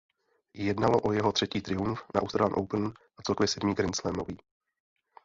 Jednalo o jeho třetí triumf na Australian Open a celkově sedmý grandslamový.